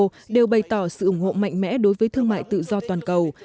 colombia và mexico đều bày tỏ sự ủng hộ mạnh mẽ đối với thương mại tự do toàn cầu